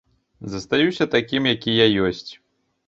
Застаюся такім, які я ёсць.